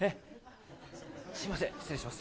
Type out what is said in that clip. すみません、失礼します。